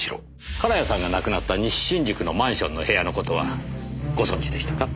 金谷さんが亡くなった西新宿のマンションの部屋の事はご存じでしたか？